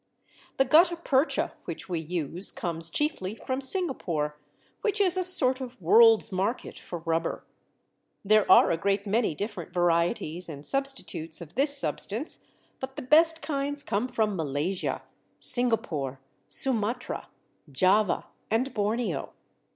The gutta percha which we use comes chiefly from Singapore, which is a sort of world's market for rubber. There are a great many different varieties and substitutes of this substance, but the best kinds come from Malaysia, Singapore, Sumatra, Java, and Borneo.